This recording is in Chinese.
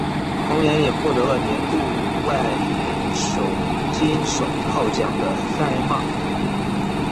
同年也获得了年度外野手金手套奖的三连霸。